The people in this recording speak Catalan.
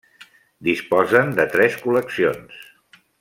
Disposen de tres col·leccions: